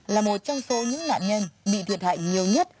là một trong số những nạn nhân bị thiệt hại nhiều nhất